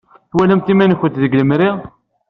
Twalamt iman-nkent deg lemri.